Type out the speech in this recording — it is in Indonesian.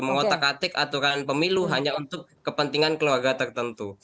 mengotak atik aturan pemilu hanya untuk kepentingan keluarga tertentu